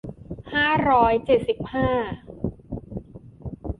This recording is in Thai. ห้าร้อยเจ็ดสิบห้า